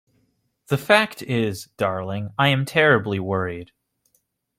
The fact is, darling, I am terribly worried.